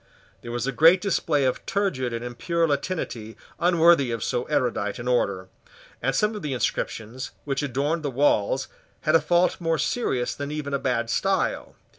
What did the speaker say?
There was a great display of turgid and impure Latinity unworthy of so erudite an order; and some of the inscriptions which adorned the walls had a fault more serious than even a bad style.